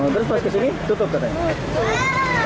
terus pas kesini tutup katanya